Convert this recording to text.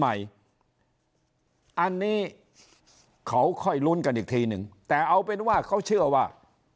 อันนี้เขาค่อยลุ้นกันอีกทีหนึ่งแต่เอาเป็นว่าเขาเชื่อว่า